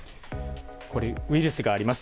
ウイルスがあります。